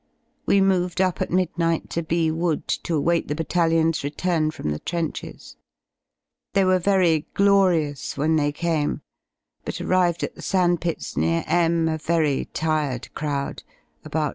We moved up at midnight to B Wood to await the Battalion's return from the trenches. They were very glorious when they came, but arrived at the sand pits near M a very tired crov^d, about 1.